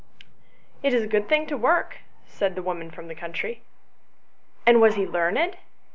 " It is a good thing to work," said the woman from the country. "And was he learned?"